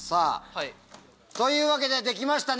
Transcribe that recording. というわけでできましたね！